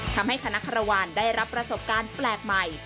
ทำให้คณะคารวาลได้รับประสบการณ์แปลกใหม่